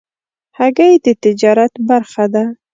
هګۍ د تجارت برخه ده.